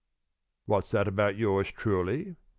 "What's that about yours truly?"